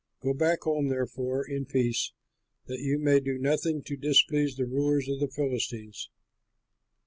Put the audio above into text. Go back home, therefore, in peace, that you may do nothing to displease the rulers of the Philistines."